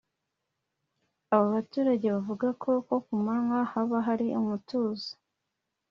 Aba baturage bavuga ko ku manywa haba hari umutuzo